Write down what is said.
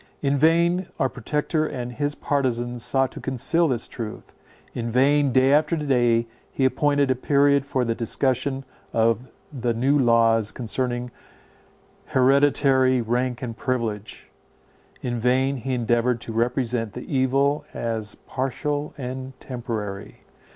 In vain our Protector and his partizans sought to conceal this truth; in vain, day after day, he appointed a period for the discussion of the new laws concerning hereditary rank and privilege; in vain he endeavoured to represent the evil as partial and temporary.